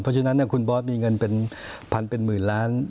เพราะฉะนั้นคุณบอสมีเงินเป็นพันเป็นหมื่นล้าน